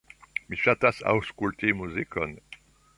Mi ŝatas aŭskulti muzikon.